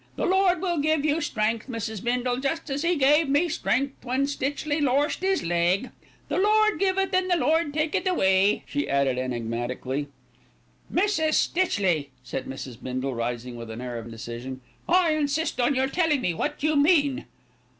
The Lord will give you strength, Mrs. Bindle, just as He gave me strength when Stitchley lorst 'is leg. 'The Lord giveth and the Lord taketh away,'" she added enigmatically. "Mrs. Stitchley," said Mrs. Bindle, rising with an air of decision, "I insist on your telling me what you mean."